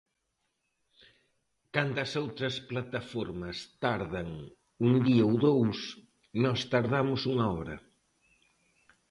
Cando as outras plataformas tardan un día ou dous, nós tardamos unha hora.